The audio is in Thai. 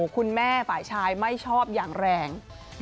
คุณแม่ฝ่ายชายไม่ชอบอย่างแรง